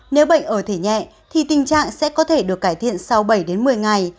nếu bệnh ở thể nhẹ thì tình trạng sẽ có thể được cải thiện sau bảy đến một mươi ngày